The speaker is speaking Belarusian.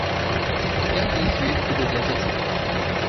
Я на іх век буду глядзець.